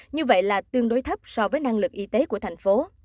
như vậy là tương đối thấp so với năng lực y tế của thành phố